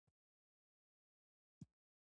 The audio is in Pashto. د خاورې د اړتیاوو پوره کولو لپاره پوره اقدامات کېږي.